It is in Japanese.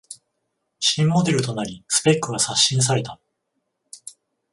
新モデルとなりスペックが刷新された